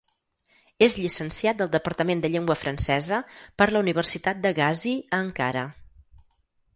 És llicenciat del departament de llengua francesa per la Universitat de Gazi a Ankara.